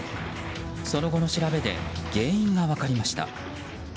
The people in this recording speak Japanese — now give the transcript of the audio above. その後の調べで原因が分かりました。